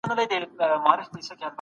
دارغنداب سیند د زراعت د ودې لوی عامل دی.